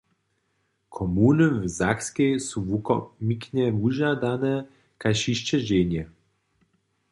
Komuny w Sakskej su wokomiknje wužadane kaž hišće ženje.